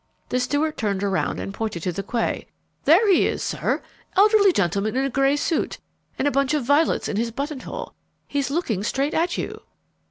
The steward turned around and pointed to the quay. "There he is, sir elderly gentleman in a grey suit, and a bunch of violets in his buttonhole. He's looking straight at you."